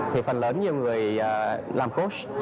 thì phần lớn nhiều người làm coach